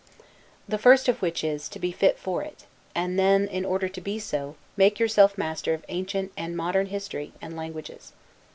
The first of which is, to be fit for it: and then, in order to be so, make yourself master of ancient and, modern history, and languages.